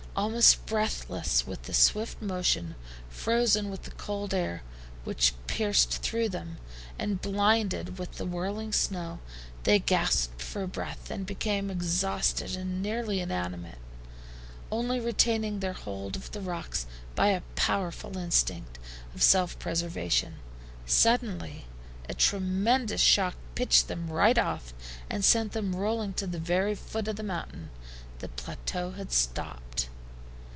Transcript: Almost breathless with the swift motion, frozen with the cold air, which pierced them through, and blinded with the whirling snow, they gasped for breath, and became exhausted and nearly inanimate, only retaining their hold of the rocks by a powerful instinct of self preservation. Suddenly a tremendous shock pitched them right off, and sent them rolling to the very foot of the mountain. The plateau had stopped.